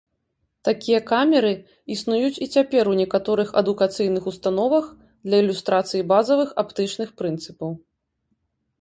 Такія камеры існуюць і цяпер у некаторых адукацыйных установах для ілюстрацыі базавых аптычных прынцыпаў.